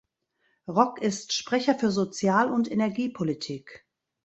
Rock ist Sprecher für Sozial- und Energiepolitik.